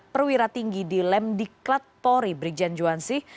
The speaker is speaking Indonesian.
perwira tinggi di lemdiklatpori brikjen juwansih